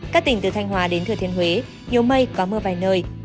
các tỉnh từ thanh hóa đến thừa thiên huế nhiều mây có mưa vài nơi